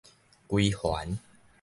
歸還